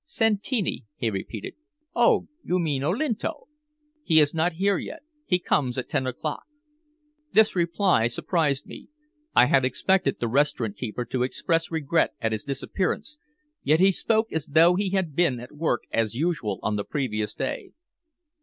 "Santini?" he repeated. "Oh I you mean Olinto? He is not here yet. He comes at ten o'clock." This reply surprised me. I had expected the restaurant keeper to express regret at his disappearance, yet he spoke as though he had been at work as usual on the previous day.